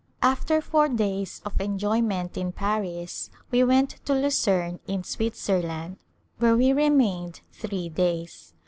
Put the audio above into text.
After four days of enjoyment in Paris we went to Lucerne, in Switzerland, where we remained three days.